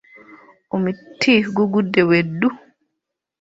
Omuti gugudde be ddu.